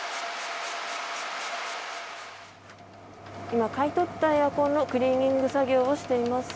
今、買い取ったエアコンのクリーニング作業をしています。